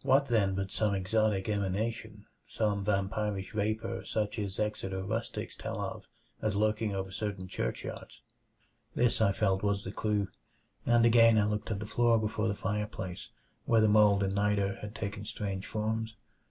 What, then, but some exotic emanation; some vampirish vapor such as Exeter rustics tell of as lurking over certain churchyards? This I felt was the clue, and again I looked at the floor before the fireplace where the mold and niter had taken strange forms.